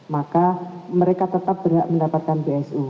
maka mereka tetap berhak mendapatkan bsu